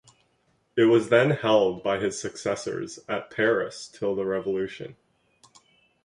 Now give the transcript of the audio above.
It was then held by his successors at Paris till the Revolution.